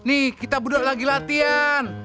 nih kita berdua lagi latihan